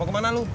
mau kemana lu